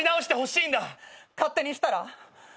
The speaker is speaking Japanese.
勝手にしたら？